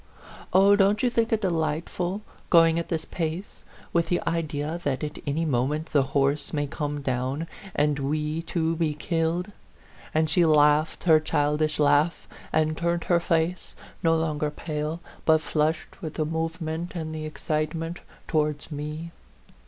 Oh, don't you think it delightful, go ing at this pace, with the idea that at any moment the horse may come down and we 78 A PHANTOM LOVER two be killed ?" and she laughed her childish laugh, and turned her face, no longer pale, but flushed with the movement and the ex citement, towards me.